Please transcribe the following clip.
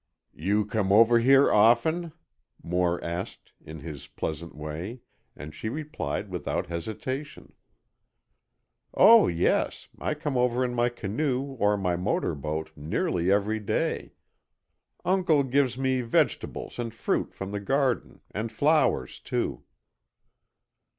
"You come over here often?" Moore asked, in his pleasant way, and she replied without hesitation. "Oh, yes, I come over in my canoe or my motor boat nearly every day. Uncle gives me vegetables and fruit from the garden, and flowers, too."